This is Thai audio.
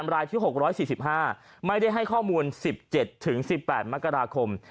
รายที่๖๔๕ไม่ได้ให้ข้อมูล๑๗๑๘มกราคม